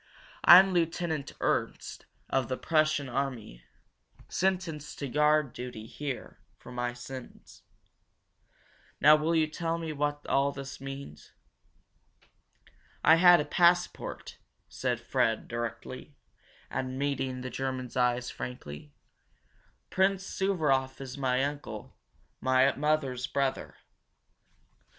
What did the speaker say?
"I'm Lieutenant Ernst, of the Prussian army. Sentenced to guard duty here for my sins. Now will you tell me what all this means?" "I had a passport," said Fred directly, and meeting the German's eyes frankly. "Prince Suvaroff is my uncle, my mother's brother.